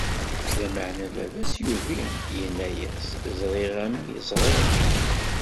Lameɛna baba-s yugi, inna-as: Ẓriɣ, a mmi, ẓriɣ.